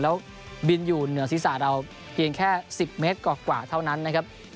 แล้วบินอยู่เหนือศีรษะเราเพียงแค่๑๐เมตรกว่าเท่านั้นนะครับ